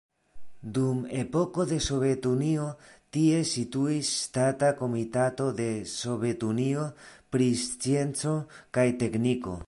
Dum epoko de Sovetunio tie situis Ŝtata komitato de Sovetunio pri scienco kaj tekniko.